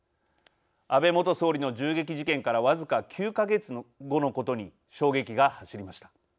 安倍元総理の銃撃事件から僅か９か月後のことに衝撃が走りました。